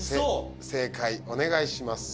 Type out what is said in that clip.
正解お願いします